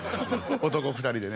男２人でね。